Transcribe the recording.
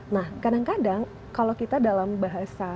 nah kadang kadang kalau kita dalam bahasa